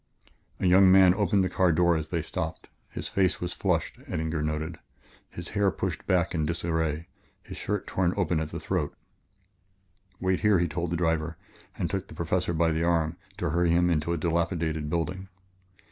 A young man opened the car door as they stopped. His face was flushed, Eddinger noted, hair pushed back in disarray, his shirt torn open at the throat. "Wait here," he told the driver and took the Professor by the arm to hurry him into a dilapidated building.